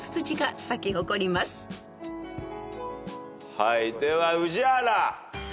はいでは宇治原。